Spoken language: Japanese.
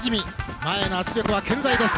前への圧力は健在です。